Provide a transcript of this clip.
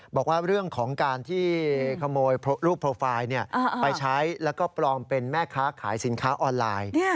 บอกว่าเรื่องของการที่ขโมยรูปโปรไฟล์ไปใช้แล้วก็ปลอมเป็นแม่ค้าขายสินค้าออนไลน์